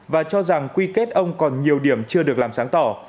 và cho rằng quy kết ông còn nhiều điểm chưa được làm sáng tỏ